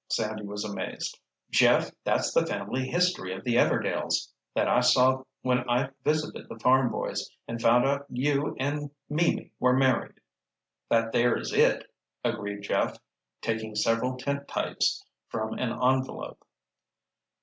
Sandy was amazed. "Jeff, that's the family history of the Everdails, that I saw when I visited the farm boys and found out you and Mimi were married." "That there is it," agreed Jeff, taking several tintypes from an envelope.